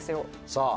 さあ